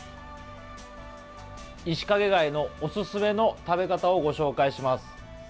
イシカゲ貝のおすすめの食べ方をご紹介します